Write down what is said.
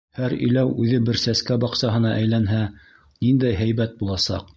Һәр иләү үҙе бер сәскә баҡсаһына әйләнһә, ниндәй һәйбәт буласаҡ!